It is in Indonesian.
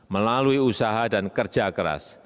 melalui usaha dan kerja keras